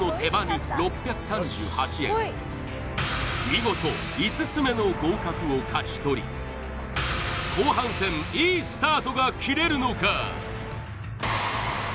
見事５つ目の合格を勝ち取り後半戦いいスタートが切れるのか？